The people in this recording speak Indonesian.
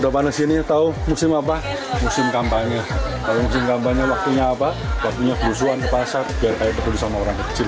pasar biar kayak peduli sama orang kecil